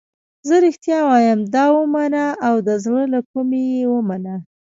زه رښتیا وایم دا ومنه او د زړه له کومې یې ومنه.